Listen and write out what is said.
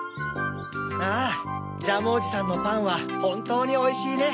ああジャムおじさんのパンはほんとうにおいしいね。